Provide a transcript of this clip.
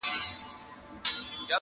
هسي نه چي دا یو ته په زړه خوږمن یې٫